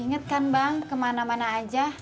ingatkan bang kemana mana aja